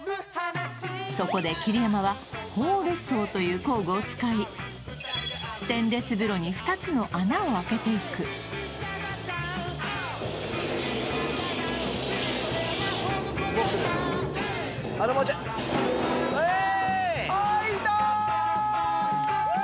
そこで桐山はホールソーという工具を使いステンレス風呂に２つの穴を開けていくウエーイ！